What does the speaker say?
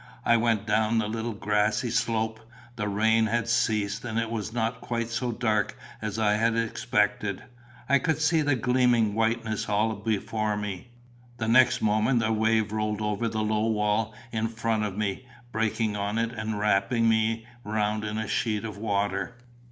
I went down the little grassy slope. The rain had ceased, and it was not quite so dark as I had expected. I could see the gleaming whiteness all before me. The next moment a wave rolled over the low wall in front of me, breaking on it and wrapping me round in a sheet of water.